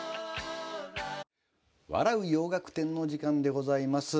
「笑う洋楽展」の時間でございます。